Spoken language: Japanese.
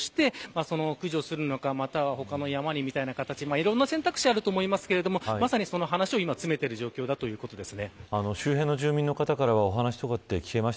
そのあたりは協議をして駆除するのかまたは、他の山にみたいな形でいろんな選択肢があると思いますがその話をまさに今、詰めている状況だということです。